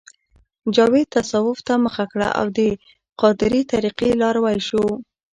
جاوید تصوف ته مخه کړه او د قادرې طریقې لاروی شو